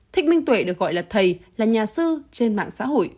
thích minh tuệ được gọi là thầy là nhà sư trên mạng xã hội